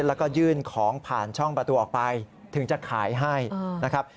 แล้วก็ยื่นของผ่านช่องประตูออกไปถึงจะขายให้นะครับ